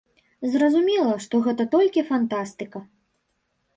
Зразумела, што гэта толькі фантастыка.